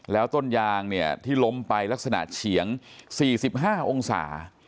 แล้วต้นยางเนี่ยที่ล้มไปลักษณะเฉียง๔๕องศา